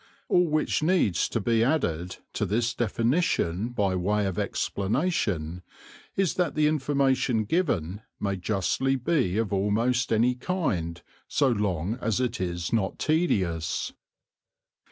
All which needs to be added to this definition by way of explanation is that the information given may justly be of almost any kind so long as it is not tedious.